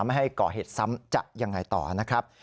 ไม่ให้ก่อเหตุซ้ำจะยังไงต่อนะครับ